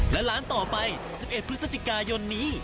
และร้านต่อไป๑๑พฤศจิกายนนี้